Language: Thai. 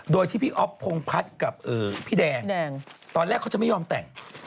โดยที่พี่อ๊อฟพงพัฒน์กับพี่แดงตอนแรกเขาจะไม่ยอมแต่ง